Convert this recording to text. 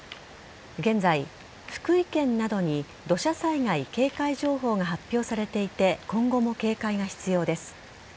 現在、福井県などに土砂災害警戒情報が発表されていて今後も警戒が必要です。